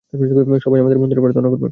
সবাই আমাদের মন্দিরে প্রার্থনা করবে।